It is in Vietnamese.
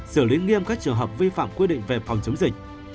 xử lý nghiêm các trường hợp vi phạm quy định về phòng chống dịch